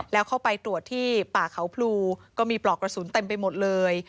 แล้วเข้าไปตรวจที่ป่าเขาพลูก็มีปลอกกระสุนเต็มไปหมดเลย